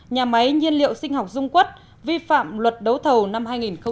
nhà máy nhiên liệu sinh học dung quất vi phạm luật đấu thầu năm hai nghìn năm